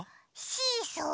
シーソー？